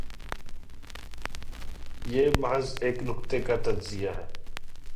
یہ محض ایک نکتے کا تجزیہ ہے۔